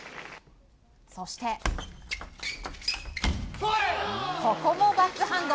そして、ここもバックハンド！